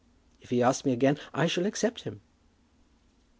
If he asks me again I shall accept him."